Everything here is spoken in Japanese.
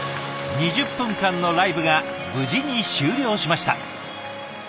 ２０分間のライブが無事に終了しました。